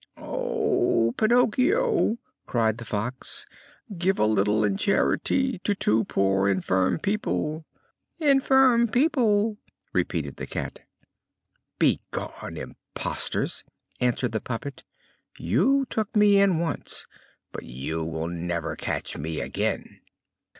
"Oh, Pinocchio!" cried the Fox, "give a little in charity to two poor, infirm people." "Infirm people," repeated the Cat. "Begone, impostors!" answered the puppet. "You took me in once, but you will never catch me again."